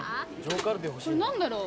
これ何だろう？